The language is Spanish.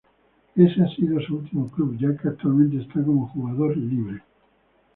Ese ha sido su último club, ya que actualmente está como jugador libre.